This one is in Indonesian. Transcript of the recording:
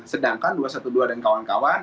sedangkan dua ratus dua belas dan kawan kawan